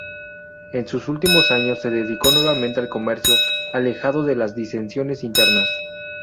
En sus últimos años se dedicó nuevamente al comercio, alejado de las disensiones internas.